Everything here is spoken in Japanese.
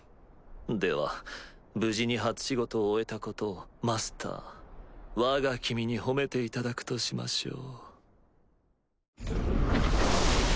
では無事に初仕事を終えたことをマスターわが君に褒めていただくとしましょう。